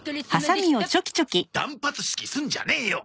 断髪式すんじゃねえよ！